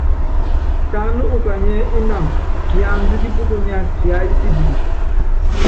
Taní ukanyiɛ́ ínanɔ kiandá kípúkunya kiáyí kitikiti.